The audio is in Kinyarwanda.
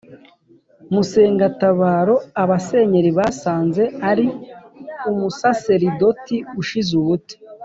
Musengatabaro Abasenyeri basanze ari umusaserdoti ushize ubute